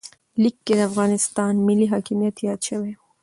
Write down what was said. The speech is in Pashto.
لیک کې د افغانستان ملي حاکمیت یاد شوی و.